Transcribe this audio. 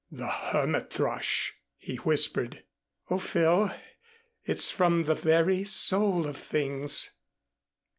"The hermit thrush," he whispered. "Oh, Phil. It's from the very soul of things."